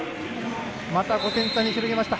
また、５点差に広げました。